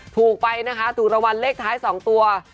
ถูกไปนะคะถูกรางวัลเลขท้าย๒ตัว